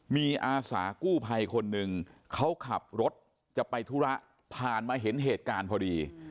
มีอาสากู้ภัยคนหนึ่งเขาขับรถจะไปธุระผ่านมาเห็นเหตุการณ์พอดี